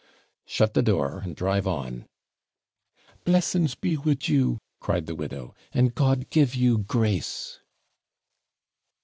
Shut the door, and drive on.' 'Blessings be WID you,' cried the widow, 'and God give you grace!'